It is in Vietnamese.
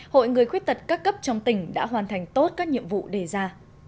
hội người khuyết tật các cấp trong tỉnh đã hoàn thành tốt các nhiệm vụ đề ra